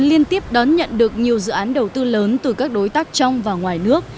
liên tiếp đón nhận được nhiều dự án đầu tư lớn từ các đối tác trong và ngoài nước